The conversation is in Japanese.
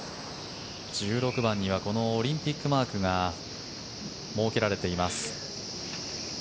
１６番にはこのオリンピックマークが設けられています。